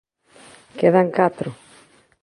Quedan catro.